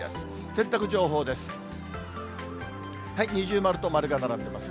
洗濯情報です。